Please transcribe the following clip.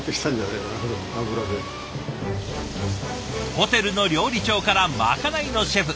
ホテルの料理長からまかないのシェフ。